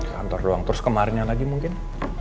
kantor doang terus kemarin yang lagi mungkin